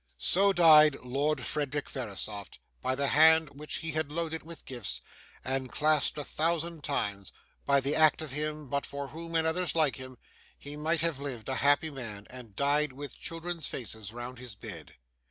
So died Lord Frederick Verisopht, by the hand which he had loaded with gifts, and clasped a thousand times; by the act of him, but for whom, and others like him, he might have lived a happy man, and died with children's faces round his bed.